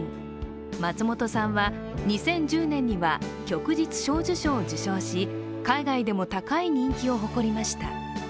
松本さんは２０１０年には旭日小綬章を受章し、海外でも高い人気を誇りました。